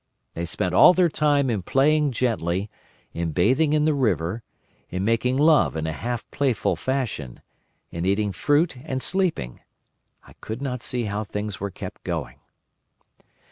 They spent all their time in playing gently, in bathing in the river, in making love in a half playful fashion, in eating fruit and sleeping. I could not see how things were kept going.